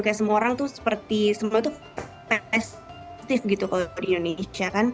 kayak semua orang tuh seperti semua tuh pestive gitu kalau di indonesia kan